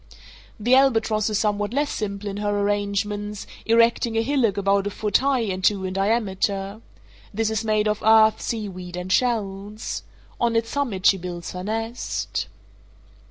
The albatross is somewhat less simple in her arrangements, erecting a hillock about a foot high and two in diameter. This is made of earth, seaweed, and shells. On its summit she builds her nest.